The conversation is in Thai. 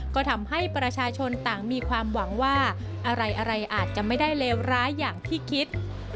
ก็ทำให้ประชาชนต่างมีความหวังว่าอะไรอาจจะไม่ได้เลวร้ายอย่างที่คิด